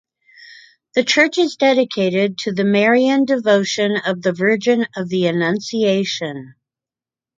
The church is dedicated to the Marian devotion of the Virgin of the Annunciation.